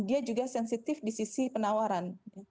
dia juga sensitif di sisi penawaran